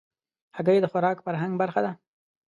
هګۍ د خوراک فرهنګ برخه ده.